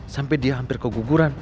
sampai dia hampir keguguran